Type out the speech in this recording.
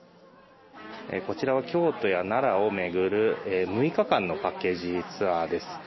こちら京都や奈良を巡る６日間のパッケージツアーです。